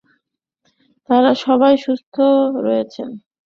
তাঁরা সবাই সুস্থ রয়েছেন।